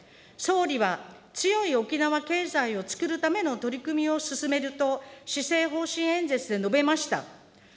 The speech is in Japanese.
総理は、強い沖縄経済をつくるための取り組みを進めると、施政方針演説で述べました。